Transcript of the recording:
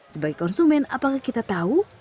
sebagai konsumen apakah kita tahu